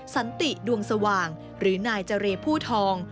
สันติดวงสว่างหรือนายเจรผู้ทอง